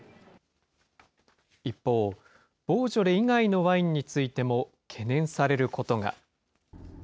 一方、ボージョレ以外のワインについても懸念されることが。